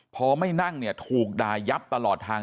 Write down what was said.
พอไม่นั่งเนี่ยถูกด่ายับตลอดทาง